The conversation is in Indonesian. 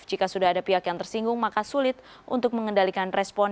jika sudah ada pihak yang tersinggung maka sulit untuk mengendalikan respon